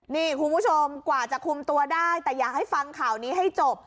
นี่คุณผู้ชมกว่าจะคุมตัวได้แต่อยากให้ฟังข่าวนี้ให้จบ